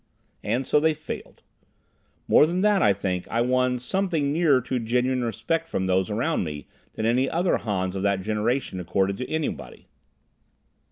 And so they failed. More than that, I think I won something nearer to genuine respect from those around me than any other Hans of that generation accorded to anybody.